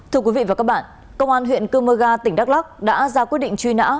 thưa quý vị và các bạn công an huyện cơ mơ ga tỉnh đắk lắc đã ra quyết định truy nã